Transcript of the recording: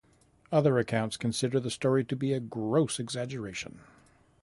Other accounts consider the story to be a gross exaggeration.